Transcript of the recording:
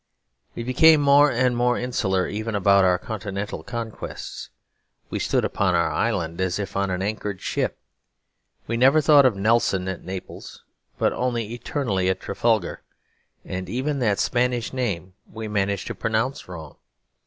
We became more and more insular even about our continental conquests; we stood upon our island as if on an anchored ship. We never thought of Nelson at Naples, but only eternally at Trafalgar; and even that Spanish name we managed to pronounce wrong.